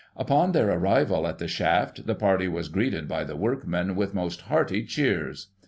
Upon their arrival at the shaft, the party was greeted by the workmen with most hearty cheers.